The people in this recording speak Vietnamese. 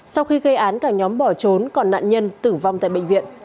sau khi gây án cả nhóm bỏ trốn còn nạn nhân tử vong tại bệnh viện